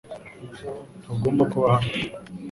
Ntugomba kuba hano .